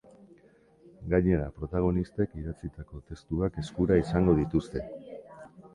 Gainera, protagonistek idatzitako testuak eskura izango dituzte.